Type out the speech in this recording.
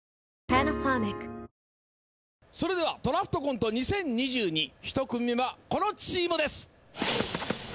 それでは『ドラフトコント２０２２』１組目はこのチームです。